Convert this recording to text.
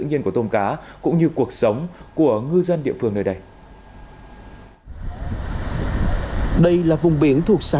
nhiên của tôm cá cũng như cuộc sống của ngư dân địa phương nơi đây ở đây là vùng biển thuộc xã